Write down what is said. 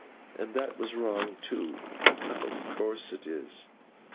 And that was wrong, too.' 'Of course it was.